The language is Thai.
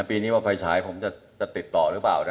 ปีนี้ว่าไฟฉายผมจะติดต่อหรือเปล่า